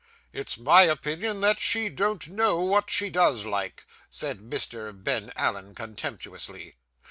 'It's my opinion that she don't know what she does like,' said Mr. Ben Allen contemptuously.